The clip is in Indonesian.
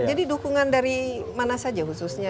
jadi dukungan dari mana saja khususnya